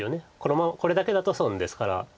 これだけだと損ですから。